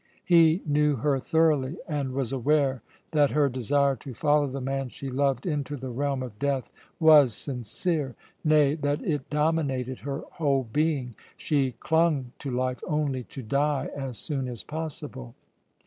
He knew her thoroughly, and was aware that her desire to follow the man she loved into the realm of death was sincere; nay, that it dominated her whole being. She clung to life only to die as soon as possible.